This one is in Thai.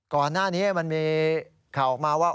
ก่อนหน้านี้มันมีข่าวออกมาว่า